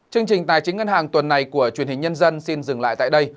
chương trình tài chính ngân hàng tuần này của truyền hình nhân dân xin dừng lại tại đây